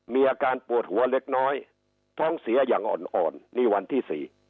มีอาการปวดหัวเล็กน้อยท้องเสียอย่างอ่อนอ่อนนี่วันที่๔